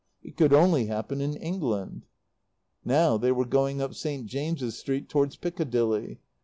It could only happen in England." Now they were going up St. James's Street towards Piccadilly.